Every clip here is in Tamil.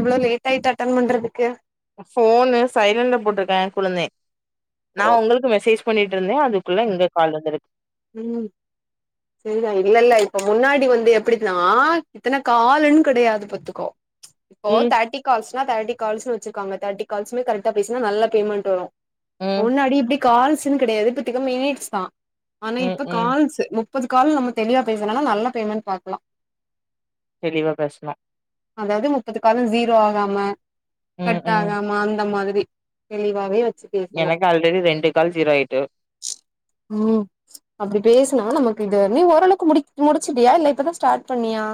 இவ்ளோ லேட் ஆயிட்டு அட்டன் பண்றதுக்கு ஃபோனு சைலண்ட்ல போட்ருக்கே குழந்தே நா ஓ உங்களுக்கு மெசேஜ் பண்ணிட்ருந்தே அதுக்குள்ள இங்க கால் வந்துருக்கு ம் செரிதா இல்ல இல்ல இப்ப முன்னாடி வந்து எப்டின்னா இத்தன கால்ன்னு கெடையாது பாத்துக்கோ இப்போ ம் தேட்டி கால்ஸ்னா தேட்டி கால்ஸ்னு வச்சிருக்காங்க தேட்டி கால்ஸ்மே கரெக்டா பேஸ்னா நல்ல பேமெண்ட் வரு ம் முன்னாடி எப்டி கால்ஸ்ன்னு கெடையாது இப்பத்திக்க மினிட்ஸ் தா ஆனா ம் இப்ப ம் கால்ஸ்ஸு முப்பது கால் நம்ம தெளிவா பேசனனா நல்ல பேமெண்ட் பாக்லா தெளிவா பேஸ்னா அதாவ்து முப்பது கால் ஜீரோ ஆகாம ம் கட் ம் ஆகாம அந்த மாத்ரி தெளிவாவே வச் எனக்கு ஆல்ரெடி ரெண்டு கால் ஜீரோ ஆயிட்டு ஓ அப்டி பேசினா நமக்கு இது நீ ஓரளவுக்கு முடி முடிச்சுட்டியா இல்ல இப்பதா ஸ்டார்ட் பண்ணியா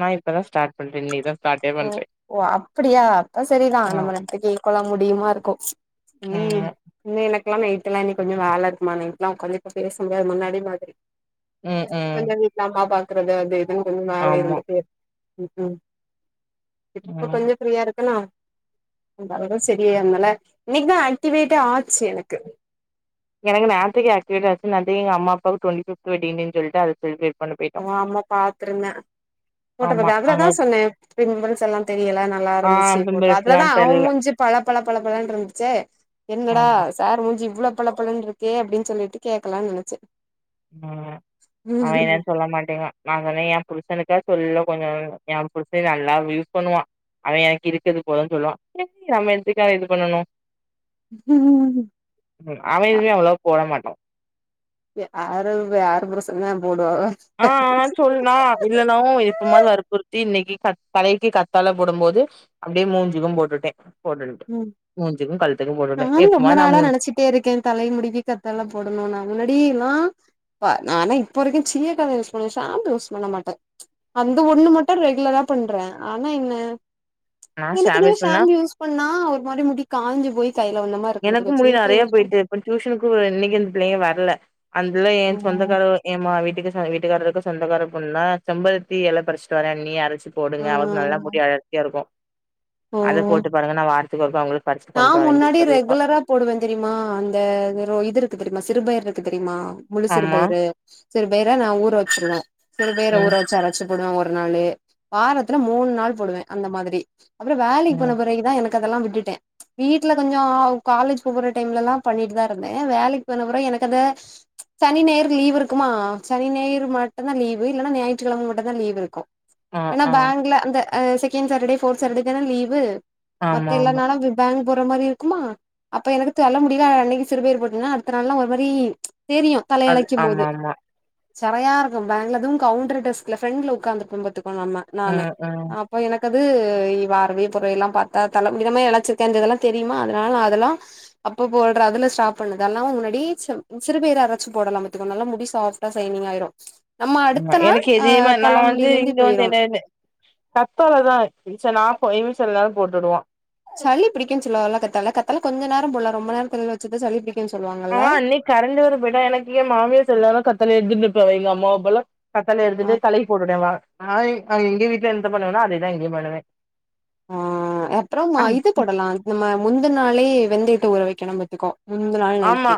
நா இப்பதா ஸ்டார்ட் பண்றே இன்னைக்குதா ஸ்டார்ட்டே ஓ பண்றே ஓ அப்பிடியா அப்ப சரிதா ஆ நம்ம நட்டுக்கே கொள்ள முடியுமா இருக்கூ நீ ம் இ எனக்கு க்லா நயிட்டு்ல்லா இனி கொஞ்சோ வேல இருக்குமா நைட்டுலா உக்காந்து இப்ப பேச முடியாது முன்னாடி மாத்ரி ம் ம் கொஞ்ச வீட்டுல அம்மா பாக்குறது அது இதுன்னு கொஞ்ச வேல ஆமா இருந்துட்டே இருக் ம்கூம் இப்ப ம் கொஞ்ச ஃப்ரீயா இருக்கன்னா [unintelligible] சரியே ஆனனால இன்னைக்குதா ஆக்டிவேட்டா ஆச்சு எனக்கு எனக்கு நேத்தக்கே ஆக்டிவேட் ஆய்டுச்சு ந எ அம்மா அப்பாக்கு டுவென்டி ஃப்ப்து வெட்டிங் டேன்னு சொல்ட்டு அதுக்கு செலிபிரேட் ஓ ஆமா பாத்துருந்தே ஃபோட்டோ ஆமா பாத்து அங்க அதுலதா சொன்னே பிம்பிள்ஸ் எல்லா தெரியில நல்லா ஆ இருந்துச்சு எப்டி ஃபோட்டோ அதுலதா பேசலான் அவ தெர்ல முஞ்சு பல பல பல பலன்ருந்துச்சே என்னடா ஆமா சார் மூஞ்சி இவ்ளோ பள பளன்ருக்கே அப்டின் சொல்லிட்டு கேக்கலானு நெனைச்ச ம் அவ என்னன்னு சொல்ல மாட்டேங்கா நா சொன்னே என் புருசனுக்கா சொல்ல கொஞ்ச என் புருச நல்லா யூஸ் பண்ணுவா அவ எனக்கு இருக்கது போதுன்னு சொல்லுவா சேரி நம்ம என்னத்துக்கு அத இது பண்ணணு ம் ம் அவ எதுவுமே அவ்வளவா போட மாட்டா யாரவு ஆறு ப்ரசண்ட் தா போடுவாக ஆ சொன்னா இல்லன்னா இப்ப மாரி வற்புறுத்தி இன்னைக்கி கத் தலைக்கி கத்தால போடும் போது அப்டியே மூஞ்சுக்கூ போட்டுட்டே போட்டு ம் மூஞ்சுக்கூ கழுத்துக்கூ போட்டுட்டே எப்பமா நா டே இருக்கே தலை முடிக்கி கத்தால போடணு நா முன்னடில்லா ப்பா நானா இப்ப வரைக்கூ சீயக்காவ யூஸ் பண்ணுவே ஷாம்பு யூஸ் பண்ண மாட்டே அந்த ஒண்ணு மட்டு ரெகுலரா பண்றே ஆனா என்ன நா எனக்கு என்ன‌ ஷாம்பேஸ் பண்ணா ஷாம்பு யூஸ் இப்ப நா ஒரு மாரி முடி காஞ்சு போய் கைல வந்த மாரி இருக்கும் பாத்துக்க சீயக்காய் யூஸ் ப டியூஷனுக்கு ஒரு இன்னைக்கி அந்த புள்ளைங்க வர்ல அந்த புள்ள என் ம் சொந்தக்காரவ ஏமா வீட்டுக்கு சேல வீட்டுக்காரருக்கு சொந்தக்கார பொண்ணா செம்பருத்தி எல பறிச்சுட்டு வரேண்ணியே அரைச்சு சு போடுங்க அவளுக்கு நல்லா ம் முடி அடர்த்தியா இருக்கும் அத ஓ போட்டு பாருங்க நா வாரத்துக்கு ஒருக்கா ஓங்களுக்கு பறிச்சுட்டு நா கொண்ட்டு வரேன் முன்னாடி சொல்லி சொல்லிருக்கு ரெகுலரா போடுவேன் தெரியுமா அந்த இது இருக்கு தெரியுமா சிறுபயர் இருக்கு தெரியுமா முழு சிறு ஆமா பயிறு சிறு பயிர நா ஊற வச்சிருவே சிறு பயிர ம் ஊற வச்சு அரச்சு போடுவே ஒரு நாளு வாரத்துல மூணு நாள் போடுவே அந்த மாதிரி அப்புறம் வேலைக்கு ம் போன பிறகுதா எனக் கதெல்லா விட்டுட்டே வீட்ல கொஞ்ச காலேஜ் போற டைம்ல எல்லா பண்ணிட்டு தா இருந்தே வேலைக்கு போனப்புற எனக் அந்த சனி ஞாயிரு லீவ் இருக்குமா சனி ஞாயிர் மட்டுந்தா லீவு இல்லைக்ஷன்னா ஞாயிற்றுக்கெழம மட்டுந்தா லீவ் இருக்கு ஆ ஏன்னா ஆ பேங்க்ல அந்த செகண்ட் சரட்டர்டே போர்த் சரட்டர்டே தானே லீவு ஆமா மத்த எல்ல ஆமா நாளு பேங்க் போற மாரி இருக்குமா அப்ப எனக்கு தொல்ல முடியால அன்னைக்கு சிறுபயர் போட்டன்னா அடுத்த நாள்லா ஒரு மாரி தெரியு அது தலையெலைக்கிம் ஆமா போது ஆமா சரயையா இருக்கு பேங்கள அதும் கவுண்டர் டெஸ்ட்ல பிரன்ட்ல உக்காந்துப்போ பாத்துக்கோ நம்ம நானு ம் ம் ஆ இப்போ எனக்கு அது வார்வெ பொறவ எல்லா பாத்தா தலைமே இழைச்சு தெந்ததெல்லா தெரியுமா அதனால நா அதெல்லா அப்போ போட்ற அதுல ஸ்டாப் பண்ணுதெல்லா முன்னாடி சிற் சிறு பயிர் அரைச்சு போட்லா பத்துக்கோ நல்லா முடி சாஃப் சைனிங்கா ஆயிரு நம்ம அடுத்த நாள் எனக்கு ஆ எதயுமே நா வந்து தலமுடியிலருந்து இங்க வந்து போயிரு என்னென்னு கத்தால தா இம்சநா போ இம்ச இருந்தாலு போட்டுவா சளி பிடிக்கும்ன்னு சொல்லுவால்ல கத்தால கத்தால கொஞ்ச நேரம் போல ரொம்ப நேரோ தலைல வச்சுத சளி பிடிக்கும்னு சொல்லுவாங்கல்ல பெறந்தவூர்க்கு போய்டா எனக்கு ஏ மாமியார் சொல்லாலு கத்தல எடுத்து [unintelligible] எங்க அம்மா அப்பால்லா கத்தாலய ஆ எடுத்துட்டு போய் தலை போட்டுவிவாங்களா எங்க வீட்ல என்னத பண்ணுவனா அதேதா இங்கயு பண்ணுவே ஆ அப்புறமா இது போட்லா நம்ம முந்த நாளே வெந்தையட்டு ஊற வெக்கணு பத்துக்கோ முந்த நாள் ஆமா நைட்டே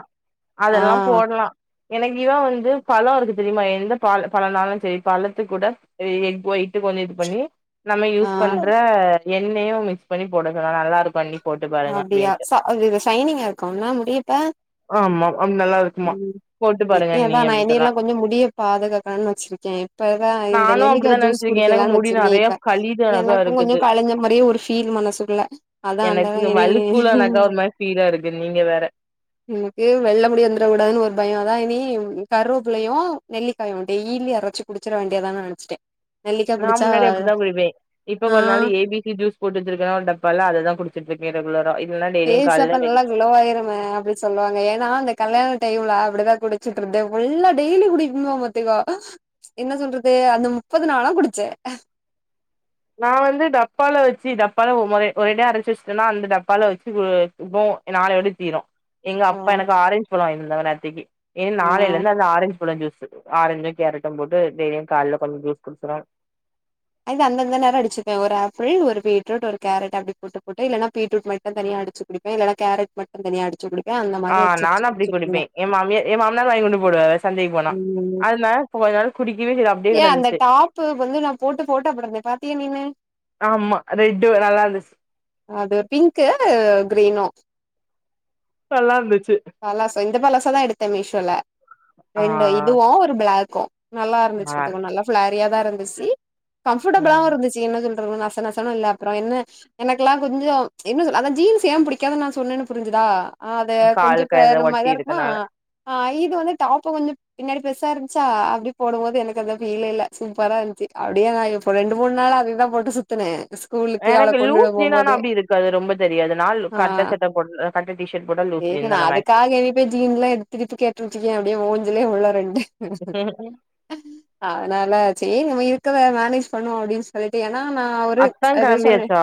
ஆ அதெல்லா போடலா எனக்கு இவன் வந்து பழோ இருக்கு தெரியுமா எந்த பழோனாளு செரி பழத்து கூட எஃக்கு வொயிட்டு கொஞ்சோ இது பண்ணி நம்ம ஆ யூஸ் பண்ற எண்ணையு மிக்ஸ் பண்ணி போட சொல்லா நல்லா இருக்கு அண்ணி போட்டு பாருங்க அப்டியா அப்டின்ட்டு ச அதுஇது ஷைனிங்கா இருக்குல்ல முடியப்ப ஆமா ஆம் நல்லா இருக்குமா போட்டு இக் பாருங்க அண்ணி எதா நா அப்டின்னு சொன்னா எண்ணையெல்லா கொஞ்ச முடிய பாதுகாக்கனு வச்சிருக்கே இப்பதா இந்த நானு நெல்லிகா அப்டிதா ஜூஸ் நெனச்சிருக்கே எனக்கு குடிக்கலானு முடி வெச்சிருக்கே நெறைய இப்ப கழிது எனக்கா எனக்கு இருக்குது கொஞ்ச கலைஞ்ச மாரியே ஒரு பீல் மனசுக்குள்ள அதா அந்த இந்த இனி மல்லிக்கூலனாதா ஒரு மாரி ஃபீலா இருக்கு நீங்கவேற எனக்கு வெள்ள முடிவந்திர கூடாதுன்னு ஒரு பயோ அதா இனி கருவேபிள்ளையு நெல்லிக்காயு டெய்லி அரைச்சு குடிச்சிட வேண்டியதான்னு நெனச்சிட்டே நெல்லிக்கா நா குடிச்சா முன்னாடி அப்டிதா குடிப்பே இப்ப கொஞ்ச ஆ நாள் ஏ பி‌ சி ஜூஸ் போட்டு வெச்சிருக்கே ஒரு டப்பால அததா குடி க்கே ரெகுலரா இல்ல டெய்லியும் காலேல நெல்லிக்கா லோவாயிரமா அப்டி சொல்லுவாங்க ஏன்னா அந்த கல்யாண டைம்ல அப்டிதான குடிச்சிட்டு இருந்தோ புல்லா டெய்லி குடிக்க [unintelligible] பத்துகோ என்ன சொல்றது அந்த முப்பது நாளு குடிச்சே நா வந்து டப்பால வெச்சு டப்பால ஒரு மாரி ஓரேடியா அரைச்சு வெச்சுட்டேனா அந்த டப்பால வெச்சு இப்போ நாளையோட தீரு எங்க ஆ அப்பா எனக்கு ஆரஞ்சு பழோ வாங்கிட்டு வந்தாங்க நேத்திக்கு இன் ஆ நாளைலந்து அந்த ஆரஞ்சு பழோ ஜூஸு ஆரஞ்சு கேரட்டு போட்டு டெய்லியு கால்ல கொஞ்ச ஜூஸ் குடிச்சிருவ அது அந்தந்த நேரோ அடிச்சிப்பே ஒரு ஆப்பிள் ஒரு பீட்ருட் ஒரு கேரட் அப்டி போட்டு போட்டு இல்லன்னா பீட்ருட் மட்டு தனியா அடிச்சு குடிப்பே இல்லனா கேரட் மட்டு தனியா அடுச்சு குடிப் ஆ நானு அப்டிக் குடிப்பே எ மாமியார் எ மாமனார் வாங்கி கொண்டு போடுவார் சந்தைக்கு போனா ம் அதல கொஞ்ச நாள் குடிக்கவே இல்ல அப்டியே கிடந்துச்சி இப்ப வந்து நா போட்டு போட்டா போட்டிருந்தே பாத்தீயா நீனு ஆமா ரெட்டு நல்லா இருந்துச்சு அது பிங்க்கு கிரீனு நல்லாருந்துச்சு பலாசா இந்த பலாசாதா எடுத்தே மீஷோல ஆ ரெண்டு இதுவு ஒரு பிளாக்கு நல்லாரு நல்லாருந்துச்சு நல்லா ஃபிளாரியாதா இருந்துச்சு கம்ஃபர்டபிளாவு ம் இருந்துச்சு என்ன சொல்றது நச நசனு இல்ல அப்பற என்ன எனக்கெலா கொஞ்ச என்ன சொல்ல அந்த ஜீன்ஸ் ஏ புடிக்காதுன் நா சொன்னேனு புரிஞ்சுதா அத கொஞ்ச காலுக்கு ப எதோ நம்ம ஒட்டி இதா இருக்குமா இருக்கனால ஆ இது வந்து டாப்ப கொஞ்ச பின்னாடி பெருசா இருந்துச்சா அப்டி போடும் போது எனக்கு அந்த ஃபீலே இல்ல சூப்பரா இருந்ச்சு அப்டியே நா ஒரு ரெண்டு மூணு நாள் அதேதா போட்டு சுத்துன எனக்கு லூஸ் ஜீனானா அப்டி இருக்காது ரொம்ப தெரியாது நால் கட்ட சட்ட போட்டு கட்ட டி ஷர்ட் போட்டா லூஸ் எதுக்கு ஜீன் நா தான மேக்சிமம் அதுக்காக இனி போயி ஜீன்லா எடுத் திருப்பி கேட்டன் வச்சுக்கயே அப்டியே மூஞ்சிலயே உழு ரெண்டு அதனால சேரி நம்ம இருக்கற மேனேஜ் பண்ணுவோ அப்டின் சொல்ட்டு ஏனா நா ஒரு அத்தா அது சொன்னே கெளம்பியாச்சா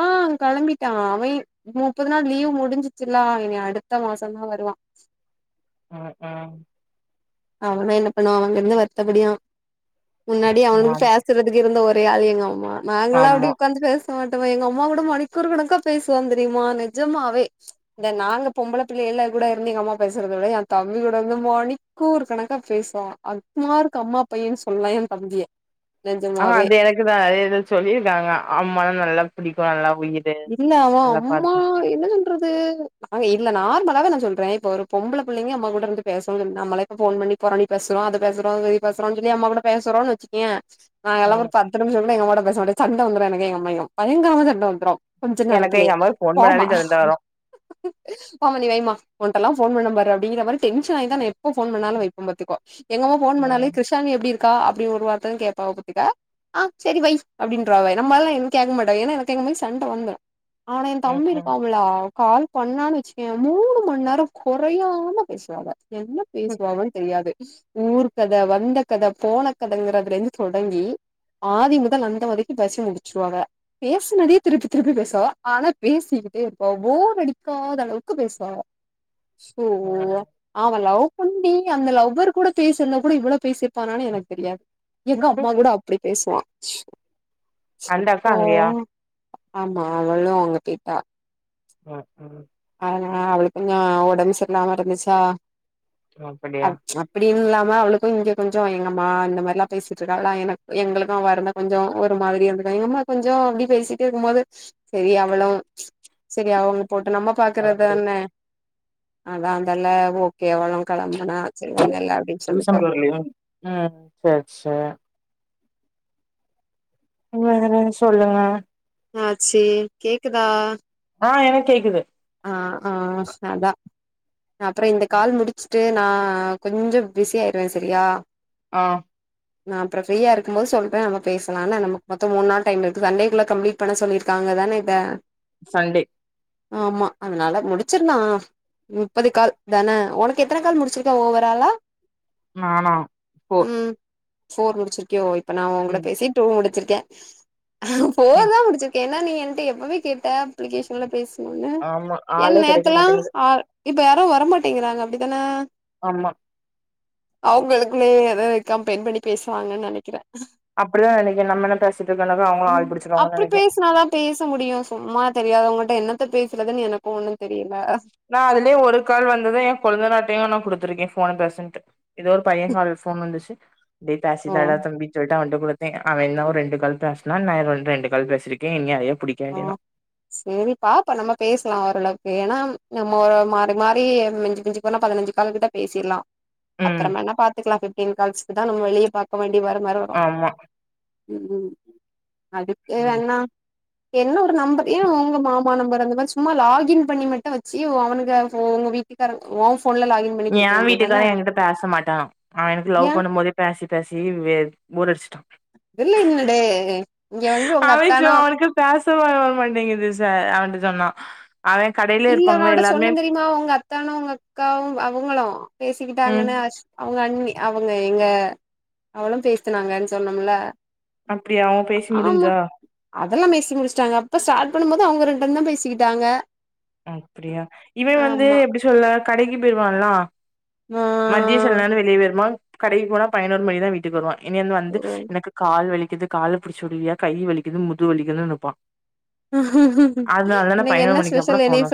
ஆ கெளம்பிட்டா அவே முப்பது நாள் லீவு முடிஞ்சிச்சுல இனி அடுத்த மாசந்தா வருவா அ அ அவுனு என்ன பண்ணுவா அவ அங்கிருந்து வருத்தபடியா முன்னாடியே அவனுக்கு ஆமா பேச றதுக்கு இருந்த ஒரே ஆள் எங்க அம்மா நாங்களா ஆமா அப்படி உக்காந்து பேச மாட்டமா எங்க அம்மா கூட மணிக்கொரு கணக்கா பேசுவாந் தெரிமா நெஜமாவே இங்க நாங்க பொம்பள பிள்ளைகளா கூட இருந்து எங்க அம்மா பேசறத விட எ தம்பி கூட வந்து மணி க்கொரு கணக்கா பேசுவா அக்மார்க் அம்மா பையன் சொல்லலா எ தம்பிய ஆ நெஜமாவே அது எனக்குதா இ இத சொல்லிருக்காங்க அம்மானா நல்லா பிடிக்கு நல்லா உயிர் இல்ல அவ அம்மா என்ன சொல்றது நாங்க இல்ல நார்மலாவே நா சொல்ற இப்ப ஒரு பொம்பள பிள்ளைங்க அம்மா கூட இருந்து பேசவாங்க நம்மளே இப்ப ஃபோன் பண்ணி பொறணி பேசறோ அது பேசறோ இது பேசறோன் சொல்லி அம்மா கூட பேசறோன் வெச்சுக்கயே நாங்கெல்லா ஒரு ம் பத்து நிமிஷ கூட எங்கம்மாட்ட பேச மாட்டே சண்ட வந்துரு எனக்கு எங்க அம்மாய்கு பயங்கரமா சண்ட வந்துரு கொஞ்ச எனக்கு நேரத்திலயே எங்க அம்மாக்கு ஃபோன் போமா பண்ணாலே சண்ட வரு ஆமா நீ வைமா உன்ட்டெல்லா ஃபோன் பண்ண பாரு அப்படிங்கற மாரி டென்சனாயிதா நா எப்ப ஃபோன் பண்ணாலு வைப்பம் பாத்துக்க எங்கம்மா ஃபோன் பண்ணாலே ம் க்ருஷாலினி எப்டி இருக்கா அப்டினு ஒரு வார்த்ததா கேப்பாக பாத்துக்க ஆ செரி வைய் அப்படின்றுவாக நம்மாலல்லா எதுவு கேக்க மாட்டாக ஏன்னா எனக்கு எங்கம்மாய்கு சண் ட வந்துரு ஆனா எந் ம் தம்பி ம் இருக்காமுல கால் பண்ணான்னு வெச்சுக்கயே மூணு மண் நேர கொறையாம பேசுவாக என்ன பேசுவாகனு தெரியாது ஊர் கத வந்த கத போன கதைங்கறதுல இருந்து தொடங்கி ஆதி முதல் அந்த வரைக்கு பேசி முடிச்சுருவாக பேசுனதே திருப்பி திருப்பி பேசுவாக ஆனா பேசிக்கிட்டே இருப்பாக போர் அடிக்காத அளவுக்கு பேசுவாக ம் ஸ்லோவா ஆமா லவ் பண்ணி அந்த லவ்வர் கூட பேசருந்தா கூட இவ்வள பேசிருப்பானான்னு எனக்கு தெரியாது எங்க அம்மா கூட அப்படி பேசுவா அந்த அக்கா அப்பா அங்கயா ஆமா அவளு அங்க பேய்ட்டா ம் ம் அதனால அவளுக்கு கொஞ்ச ஒடம்பு சரில்லாமா இருந்துச்சா அ அப்படியா அப்டின்னு இல்லாம அவளுக்கு இங்க கொஞ்ச எங்கம்மா இந்த மாரிலா பேசிட்ருக்காகலா எனக்கு எங்களுக்கு அவ இருந்தா கொஞ்ச ஒரு மாதிரி இருந்துக்கு எங்கம்மா கொஞ்ச அப்டி பேசிட்டே இருக்கும்போது செரி அவளு செரி அவ அங்க போட்டு நம்ம பாக்கறது தான அதா அதல்ல ஓகே அவளு களம்புனா சரி ஒன்னு இல்ல அப்டின்னு சொல்லிட்டோ டியூசனுக்கு வரலையா ம் செர் செரி நீங்க எதனாலு சொல்லுங்க ஆ சேரி கேக்குதா ஆ எனக் கேக்குது ஆ ஆஸ் அதா அப்றோ இந்த கால் முடிச்சிட்டு நா கொஞ்சோ பிஸி ஆயிருவே செரியா ஆ நா அப்றோ ஃரீயா இருக்கு போது சொல்ற நம்ம பேசலா ஆனா நமக்கு மொத்த மூனு நாள் டைம் இருக்கு சண்டேக்குள்ள கம்ளிட் பண்ண சொல்லிருக்காங்க தானே இத சண்டே ஆமா அதனால முடிச்சிர்லா முப்பது கால் தானே ஒனக்கு எத்தன கால் முடிச்சிருக்க ஓவராலா நானா போர் ம் ஃபோர் முடிச்சிர்க்கியோ இப்ப நான ஒங்குட ம் பேசியே டூ முடிச்சிர்க்கே ஃபோர் ம் தா முடிச்சுர்க்க ஏனா நீ என்ட்ட எப்பவே கேட்ட அப்ளிகேஷன்ல பேஸ் ன்னு ஆமா ஏ ஆளே கெடைக்க நேத்துலா மாட்டேங்குது ஆ இப்ப யாரு வரமாட்டேங்றாங்க அப்டித்தானே ஆமா அவுங்களுக்குள்ளே எதாது கம்பைன் பண்ணி பேசுவாங்கன்னு நெனைக்கிறே அப்டிதா நெனைக்க நம்மலா பேசிட்ருக்கேன்னது அவங்களு ஆள் ம் புடிச்சுறாங்கன்னு அப்டி நெனக்கே பேசுனாதா பேச முடியு சும்மா தெரியாதவங்கள்ட்ட என்னத்த பேசுறதுன்னு எனக்கு ஒண்ணு தெரியல நா அதுலயு ஒரு கால் வந்தது ஏ கொழுந்தனார்ட்டையு நா குடுத்திருக்கே ஃபோன பேசுன்ட்டு எதோ ஒரு பைய கால்ல ஃபோன் வந்துச்சு அப்டிய பேசி ஓ தடா தம்பினு சொல் ட்டா அவன்ட்ட குடுத்தே அவ என்னவோ ரெண்டு கால் பேசுனா நா ரெண்ட் ரெண்டு கால் பேசிருக்கே இனி யாரையா புடிக்க ஓ வேண்டிதா சேரி பாப்போ நம்ம பேசலா ஓரளவுக்கு ஏனா நம்ம ஒரு மாரி மாரி மிஞ்சு மிஞ்சு இதன பதினஞ்சு கால் கிட்ட பேசிர்லா ம் அப்றோமேன்னா பாத்துக்லா ஃபிப்டின் கால்ஸ்க்குதா நம்ம வெளிய பாத் [unintelligible] வேண்டி வருமாறு வரும் ஆமா ம் ம் அதுக்கு வேணா இன்னொரு நம்பரு ஏ ஒங்க மாமா நம்பரு அந்த மாரி சும்மா லாகின் பண்ணி மட்டு வச்சு ஒ அவனுக்கு ஒங்க வீட் வீட்டுகாரங்க ஒ ஃபோன் லாகின் பண்ணி ஏ குடுக்க வேண்டியதான வீட்டுக்கார்ரு எங்கிட்ட பேச மாட்டாரா அவ எனக்கு ஏ லவ் பண்ணுபோதே பேசி பேசி வே பேர் அடிச்சுட்டா இல்ல என்னடே இங்க வந்துட்டு ஒங்க அவ சோ அத்தானு அவனுக்கு பேச வர மாட்டேங்குது ச அவன்ட்ட சொன்னா அவ கடைலயே இருப்பாங்ளே எல்லாருமே நீங்க ஒங்க அத்தானு ஒங்க அக்காவு அவுங்களு ம் பேசிக்கிட்டாங்கன்னா ஆஸ் அவுங்க அண்ணி அவுங்க எங்க அவளு பேசினாங்கன்னு சொன்னோமுல அப்டியா அவ பேசி முடிஞ்சா அதெல்லா பேசி முடிச்சிட்டாங்க அப்ப ஸ்டார்ட் பண்ணும்போது வுங்க ரெண்டு பேருந்தா பேசிக்கிட்டாங்க அப்டியா இவ வந்து ஆமா எப்டி சொல்ல கடைக்கு போய்டுவான்லா ஆ மதிய செல நேர வெளிய போயிருவா கடைக்கி போனா பயனோரு மணிக்கு தா வீட்டுக்கு வருவா இனிந்து வந்து ஓ எனக்கு கால் வலிக்குது கால புடிச்சுடுவியா கை வலிக்குது முது வலிக்குன்னு நிப்பா இன்னிக்கு என்ன ஸ்பெஷல் எனெஸ்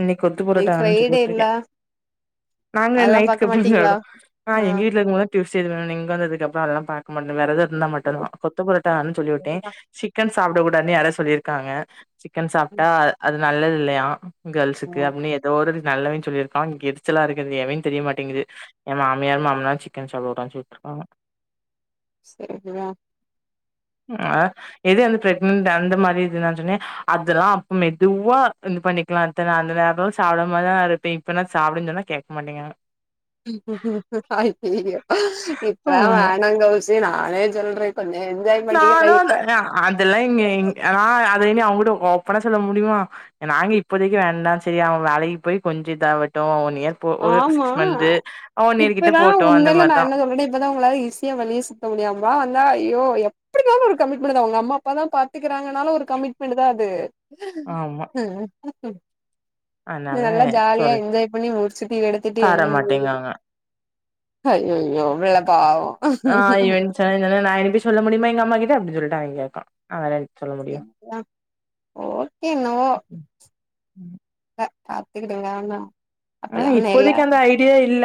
இன்னிக்கி கொத்து பரோட்டா இன்னைக்கு வேணுன்னு ஃப்ரைடே இல்ல சொல்லிவுட்ருக்கே நாங்க அதெல்லா பாக்க நைட்டுக்கு டிபன் மாட்டீங்களா சாப்டு ஆ எங்க வீட்ல இருக்காவங்களா டியூஸ்டே [unintelligible] பாத் மட்டு விரத இருந்தா மட்டுந்தா கொத்து பொரோட்டா வேணுன்னு சொல்லிவுட்டே சரிதா சிக் கன் சாப்ட கூடாதுன்னு யாரோ சொல்லிருக்காங்க சிக்கன் சாப்ட்டா அ அது நல்லது இல்லையா ஆ கேள்ஸுக்கு அப்டின்னு ஏதோ ஒரு நல்லவேன் சொல்லிருக்கா இங்க எரிச்சலா இருக்கு எவன்னு தெரியமாட்டேங்குது ஏ மாமியார் மாமனார் சிக்கன் சாப்டகூடான்னு சொல்ட்டுருக்காங்க செரியா ஆ எதே வந்து பிரக்னட் அந்த மாரி இது என்ன சொன்னே அதெல்லா அப்ப மெதுவா இது பண்ணி கெள்த்த அந்த நேரம்ல சாப்பிட மாரி இருப்ப இப்ப என்ன சாப்பிடுன்னு சொன்னா கேட்க மாட்டங்க ஐயையோ இப்பா ம் வேணங்கௌசி நானே சொல்றே கொஞ்சோ என்ஜாய் பண்ணிக்க நானு லைஃப அதெல்லா இங்க அது இங்க நான் அத இனி அவங்கிட்ட ஓப்பனா சொல்ல முடியுமா நாங்க இப்போதைக்கு வேண்டா செரி அவன் வேலைக்கு போய் கொஞ்ச இதாவட்டு ஒன்னி ஆமா இயர் கிட்ட இப்பதா போட்டும் அந்த உண்மையில நா மாரிதான். என்ன சொல்றே இப்பதா உங்கள இசி டிய வெளிய சுத்த முடியாவா வந்தா ஐயோ யப் எப்டினாலு ஒரு கமிட்மெண்ட் தா உங்க அம்மா அப்பா தா பாத்துக்கிறாங்கனாலும் ஒரு கமிட்மெண்ட் தா அது ஆமா அதனால நல்லா ஜாலியா சொல் என்ஜாய் பண்ணி முடி நீ எடுத்துட்டு தர மாட்டேங்காங்க. அய் ஐயையோ பாவோ ஆ சொன்ன நா எனப்பி சொல்ல முடியுமா எங்க அம்மா கிட்ட அப்டினு சொல்லிட்டு அவங்க கேக்க அத வோல சொல்ல ம் செரித ஓகே னோ ப பாத்துக்கிடளனா ஆ இப்போதைக்கு அந்த ஐடியா இல்ல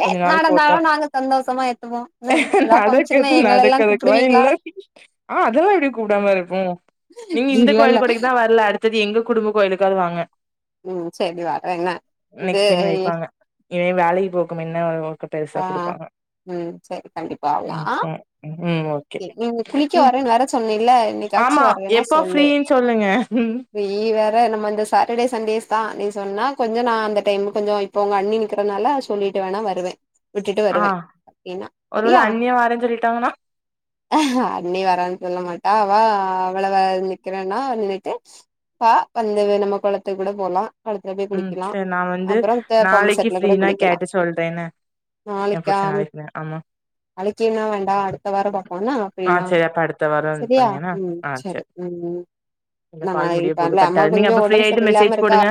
ஏ கொஞ்ச நாள் நடந்தாலு போட்டோ நாங்க சந்தோஷமா ஏத்துப்போ என்ன ஏதா பங்க்ஷன்னா நடக்குறது எங்கள எல்லா நடக்கதுக்கெல்லா கூப்பிடுவீங்களா இல்ல ஆ அதெல்லா எப்டி கூப்டாம இருக்கு நீங்க இந்த இல்ல இல்ல கோவில்கொடைக்கு தா வரல அடு த்து எங்க குடும்ப கோயிலுக்காது வாங்க ம் சேரி வர்றன நெக்ஸ்ட்னு வைப்பாங்க இவே வேலைக்கு போக்கு மின்ன பெருசா ஆ குடுப்பாங்க ம் செரி கண்டிப்பா வல்லா ம் ம் ம் ஓகே நீங்க குளிக்க ம் வரேன்னு வேற சொன்னீல்ல இன்னி ஆமா எப்போ ஃப்ரீன்னு சொல்லுங்க வெய் வேற நம்ம இந்த சாட்டர்டே சண்டேஸ் தா நீ சொன்னா கொஞ்ச நா அந்த டைம் கொஞ்ச இப்ப உங்க அண்ணி நிறக்கிறனால சொல்லிட்டு வேணா வருவே விட்டுட்டு ஆ வருவே அப்டின்னா ஒருவேள சரியா அண்ணியே வரேன்னு சொல்லிட்டாங்கன்னா அண்ணி வாரன்னு சொல்ல மாட்டா அவ அவள வ நிக்கிறேன்னா நின்னுட்டு ப வந்து நம்ம குளத்து கூட போலா ம் செரி நா வந்து பம்பு நாளைக்கு செட்ல கூட ஃப்ரீனா குளிக்கலாம் கேட்டு சொல்றே னே என் புரிச்ச நெனைக்கிறே ஆமா அழைக்கினா வேண்டா அடுத்த வார பாப்போம்னா ஆ அப்டின்னா சரி அப்ப அடுத்த வாரோ இது செரியா பண்ணுங்க என்ன ம் ஆ செரி சரி ம் இந்த கால் முடிய போது அம்மா கட்டாகுது கொஞ்ச நீங்க அப்ப ஃப்ரீ ஒடம்பு ஆயிட்டு செரி இல்லாம மெசேஜ் போடுங்க இருக்கா